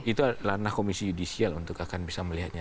itu ranah komisi yudisial untuk akan bisa melihatnya